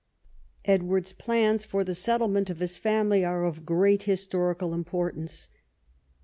Edward's plans for the settlement of his family are of great historical importance.